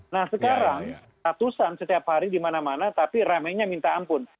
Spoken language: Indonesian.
nah sekarang tatusan setiap hari dimana mana tapi ramainya minta ampun